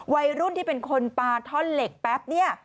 วัยรุ่นที่เป็นคนปลาท่อนเหล็กแป๊บเนี่ย